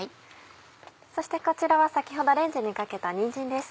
そしてこちらは先ほどレンジにかけたにんじんです。